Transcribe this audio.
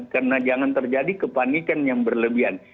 karena jangan terjadi kepanikan yang berlebihan